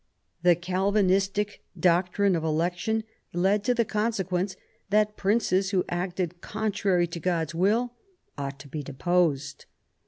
The Calvinistic doctrine of election led to the consequence that princes who acted contrary to God's will ought to be deposed.